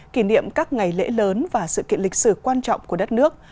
kỷ niệm các ngày lễ lớn và sự kiện lịch sử quan trọng của đất nước